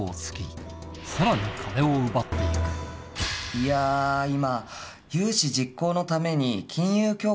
いや今。